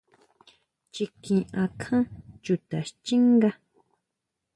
Chiquín akján chuta xchínga.